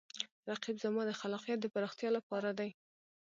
رقیب زما د خلاقیت د پراختیا لپاره دی